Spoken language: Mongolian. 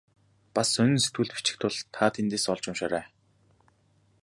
Бас сонин сэтгүүлд бичих тул та тэндээс олж уншаарай.